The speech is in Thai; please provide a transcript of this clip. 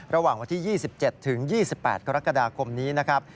ระหว่างวันที่๒๗ถึง๒๘กรกฎาคมนี้นะครับ